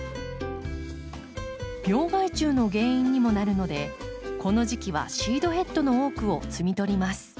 病害虫の原因にもなるのでこの時期はシードヘッドの多くを摘み取ります。